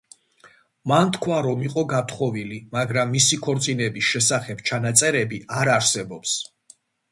მან თქვა რომ იყო გათხოვილი, მაგრამ მისი ქორწინების შესახებ ჩანაწერები არ არსებობს.